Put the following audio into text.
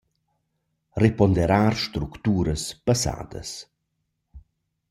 Reponderar structuras passadas.